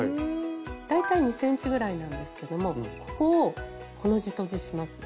大体２ｃｍぐらいなんですけどもここをコの字とじします。